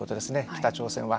北朝鮮は。